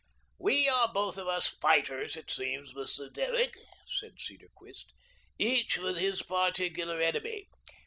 "We are both of us fighters, it seems, Mr. Derrick," said Cedarquist. "Each with his particular enemy.